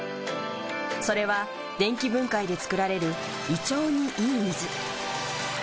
それは電気分解で作られる胃腸にいい水。